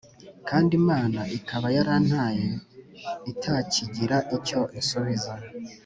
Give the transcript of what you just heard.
kandi imana ikaba yarantaye itakigira icyo insubiza